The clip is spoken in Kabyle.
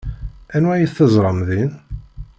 Anwa ay teẓram din?